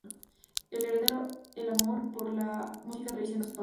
Él heredó el amor por la música tradicional de sus padres.